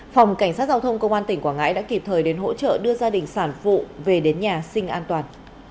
phòng cảnh sát giao thông công an tỉnh quảng ngãi đã kịp thời đến hỗ trợ đưa gia đình sản phụ về đến nhà sinh an toàn